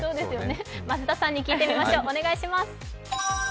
増田さんに聞いてみましょう、お願いします。